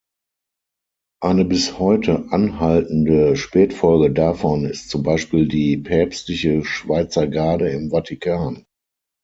Eine bis heute anhaltende Spätfolge davon ist zum Beispiel die Päpstliche Schweizergarde im Vatikan.